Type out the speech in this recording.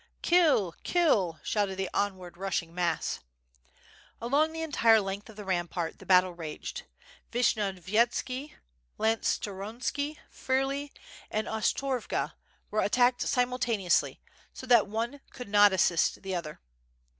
"Kill! kill!" shouted the onward rushing mass. Along the entire length of the rampart the battle raged. Vishnyovyetski, Lantskoronski, Firley, and Ostrorv^ were attacked simultaneously, so that one could not assist the other.